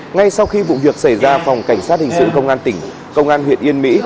ngay sau khi vụ việc xảy ra phòng cảnh sát hình sự công an tỉnh công an huyện yên mỹ